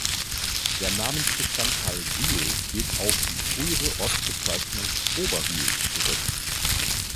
Der Namensbestandteil "Wil" geht auf die frühere Ortsbezeichnung "Oberwil" zurück.